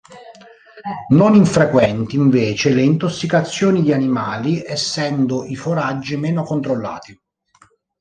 Non infrequenti invece le intossicazioni di animali, essendo i foraggi meno controllati.